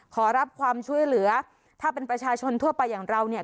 ขอรับความช่วยเหลือถ้าเป็นประชาชนทั่วไปอย่างเราเนี่ย